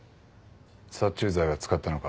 殺虫剤は使ったのか？